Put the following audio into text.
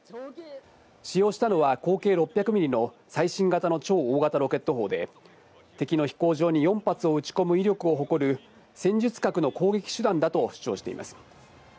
使用したのは口径６００ミリの最新型の超大型ロケット砲で、敵の飛行場に４発を撃ち込む威力を誇る戦術核の攻撃手段だと主張しています。